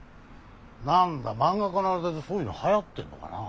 なんだ漫画家の間でそういうのはやってんのかなぁ。